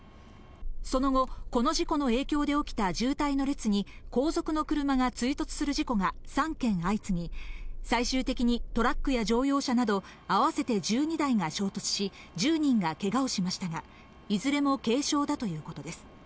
その後、この事故の影響で起きた渋滞の列に後続の車が追突する事故が３件相次ぎ、最終的にトラックや乗用車など合わせて１２台が衝突し、１０人がけがをしましたが、いずれも軽傷だということです。